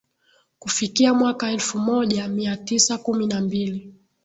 Kufikia mwaka elfu moja mia tisa kumi na mbili